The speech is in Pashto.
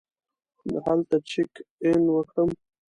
هلته چېک اېن وکړم.